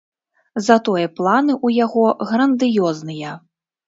Затое планы ў яго грандыёзныя.